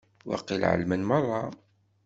Waqil ɛelmen merra.